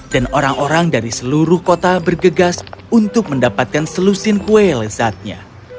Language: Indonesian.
dan orang orang dari seluruh kota bergegas untuk mendapatkan selusin kue lezatnya